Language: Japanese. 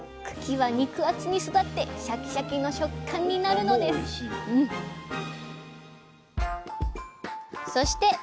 茎は肉厚に育ってシャキシャキの食感になるのですそして